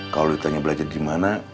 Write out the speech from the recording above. kalau ditanya belajar di mana